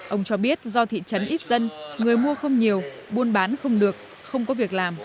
ông cho biết do thị trấn ít dân người mua không nhiều buôn bán không được không có việc làm